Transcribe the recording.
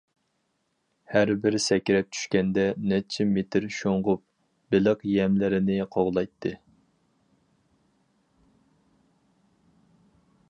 ھەربىر سەكرەپ چۈشكەندە، نەچچە مېتىر شۇڭغۇپ، بېلىق يەملىرىنى قوغلايتتى.